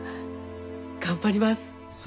頑張ります。